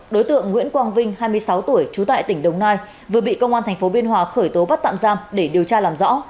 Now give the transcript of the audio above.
đối tượng nguyễn quang vinh hai mươi sáu tuổi trú tại tỉnh đồng nai vừa bị công an tp biên hòa khởi tố bắt tạm giam để điều tra làm rõ